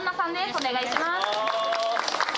お願いします。